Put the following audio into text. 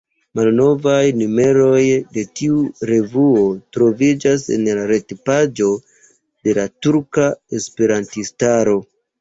Malnovaj numeroj de tiu revuo troviĝas en la ret-paĝo de la turka esperantistaro.